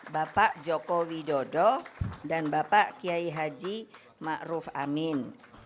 bapak joko widodo dan bapak kiai haji ma'ruf amin